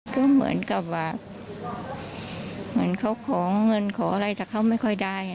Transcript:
ก็เหมือนกับว่าเหมือนเขาขอเงินขออะไรแต่เขาไม่ค่อยได้